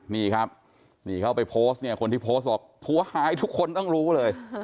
นี่เข้าไปโพสต์คนที่โพสต์บอกผัวหายทุกคนต้องรู้เลย